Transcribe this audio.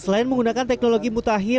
selain menggunakan teknologi mutahir